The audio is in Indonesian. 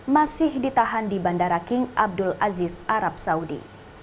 masih ditahan di bandara king abdul aziz arab saudi